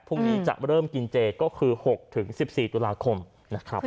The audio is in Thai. พรุ่งนี้จะเริ่มกินเจก็คือ๖๑๔ตุลาคมนะครับ